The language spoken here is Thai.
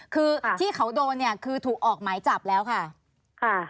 คือที่เขาโดนเนี่ยคือถูกออกหมายจับแล้วค่ะ